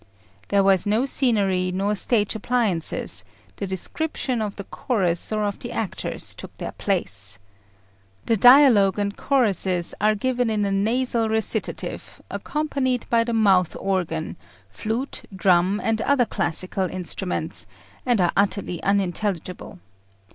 There was no scenery, nor stage appliances; the descriptions of the chorus or of the actors took their place. The dialogue and choruses are given in a nasal recitative, accompanied by the mouth organ, flute, drum, and other classical instruments, and are utterly unintelligible.